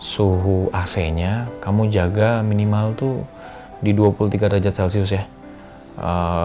suhu ac nya kamu jaga minimal tuh di dua puluh tiga derajat celcius ya